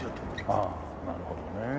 ああなるほどね。